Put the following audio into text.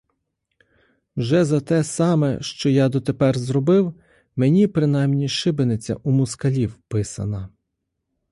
Вже за те саме, що я дотепер зробив, мені принаймні шибениця у москалів писана.